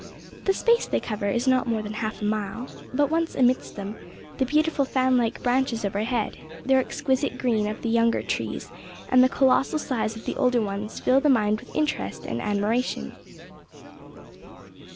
The space they cover is not more than half a mile, but, once amidst them, the beautiful fan like branches overhead, the exquisite green of the younger trees and the colossal size of the older ones fill the mind with interest and admiration.